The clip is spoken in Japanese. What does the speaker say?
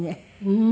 うん。